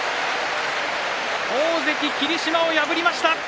大関霧島を破りました。